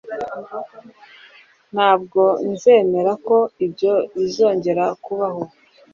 Ntabwo nzemera ko ibyo bizongera kubaho